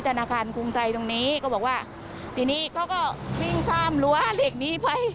ธนาคารกรุงไทยตรงนี้ก็บอกว่าทีนี้เขาก็วิ่งข้ามรั้วเหล็กนี้ไป